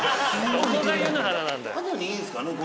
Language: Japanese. どこが湯の花なんだよ。